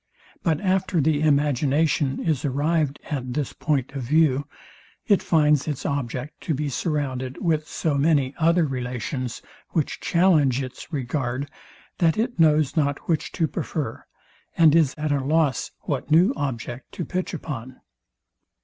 But after the imagination is arrived at this point of view, it finds its object to be surrounded with so many other relations, which challenge its regard, that it knows not which to prefer, and is at a loss what new object to pitch upon.